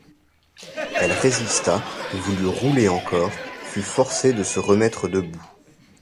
Elle résista, voulut rouler encore, fut forcée de se remettre debout.